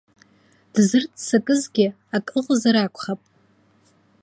Дзырццакызгьы ак ыҟазар акәхап.